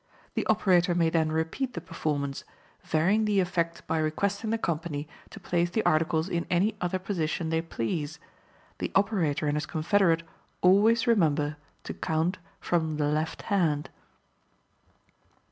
The operator may then repeat the performance, varying the effect by requesting the company to place the articles in any other position they please; the operator and his confederate always remembering to count from the left hand.